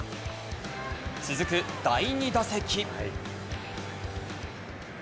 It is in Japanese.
続く、第２打席。